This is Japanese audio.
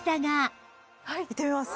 いってみます。